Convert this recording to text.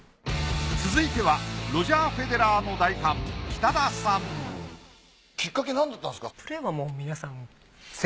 続いてはロジャー・フェデラーの大ファンきっかけ何だったんですか？